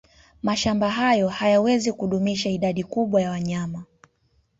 Mashamba hayo hayawezi kudumisha idadi kubwa ya wanyama